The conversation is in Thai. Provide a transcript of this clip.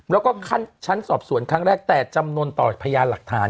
แล้วก็ชั้นสอบสวนครั้งแรกแต่จำนวนต่อพยานหลักฐาน